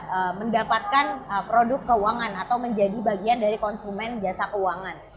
untuk mendapatkan produk keuangan atau menjadi bagian dari konsumen jasa keuangan